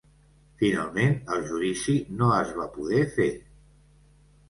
Finalment el judici no es va poder fer.